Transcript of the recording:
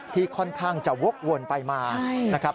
ที่ค่อนข้างจะวกวนไปมา